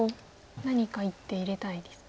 何か１手入れたいですか。